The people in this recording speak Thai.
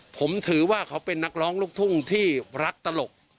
ผมถือว่าเขาเป็นนักร้องลูกทุ่งที่รักตลก